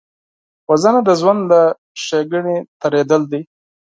وژنه د ژوند له ښېګڼې تېرېدل دي